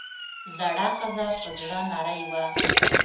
زړه ښځه پۀ زړۀ نرۍ وه ـ